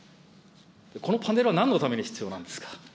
このパネルはなんのために必要なんですか。